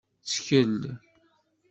Ttkel.